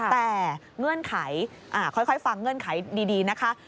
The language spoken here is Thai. แต่เงื่อนไขค่อยฟังเงื่อนไขดีนะคะ